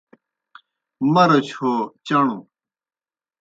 مرچ ہو چݨوْ